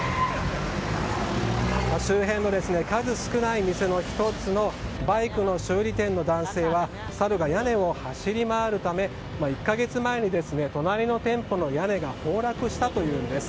周辺の数少ない店の１つのバイクの修理店の男性はサルが屋根を走り回るため１か月前に隣の店舗の屋根が崩落したというんです。